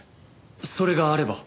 それがあれば。